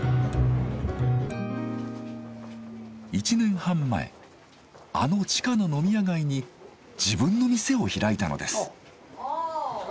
１年半前あの地下の飲み屋街に自分の店を開いたのです。